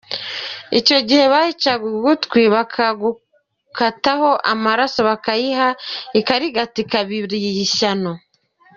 Icyo gihe bayicaga ugutwi bakagukozaho amaraso bakayiha ikarigata ikaba iriye ishyano.